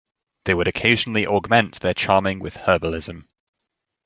They would occasionally augment their charming with herbalism.